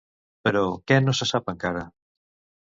Però, què no se sap encara?